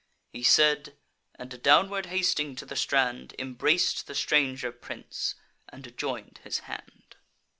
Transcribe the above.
He said, and, downward hasting to the strand, Embrac'd the stranger prince, and join'd his hand.